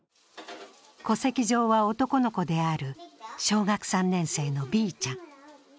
戸籍上は男の子である小学３年生のＢちゃん。